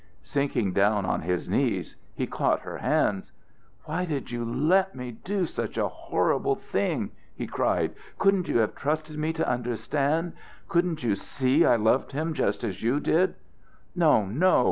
Sinking down on his knees, he caught her hands. "Why did you let me do such a horrible thing?" he cried. "Couldn't you have trusted me to understand? Couldn't you see I loved him just as you did No, no!"